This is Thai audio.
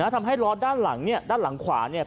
ทำให้ล้อด้านหลังเนี่ยด้านหลังขวาเนี่ย